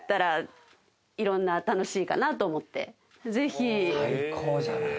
ぜひ。